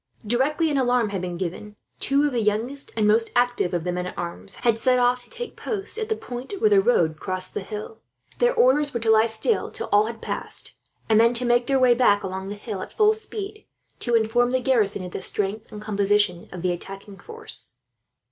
Directly an alarm had been given, two of the youngest and most active of the men at arms had set off, to take post at the point where the road crossed the hill. Their orders were to lie still till all had passed, and then to make their way back along the hill, at full speed, to inform the garrison of the strength and composition of the attacking force.